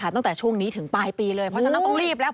ตั้งแต่ช่วงนี้ถึงปลายปีเลยเพราะฉะนั้นต้องรีบแล้ว